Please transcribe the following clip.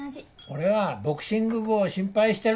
俺はボクシング部を心配してるんだよ！